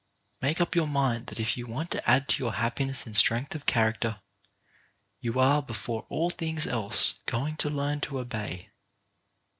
24 CHARACTER BUILDING Make up your mind that if you want to add to your happiness and strength of character, you are, before all things else, going to learn to obey.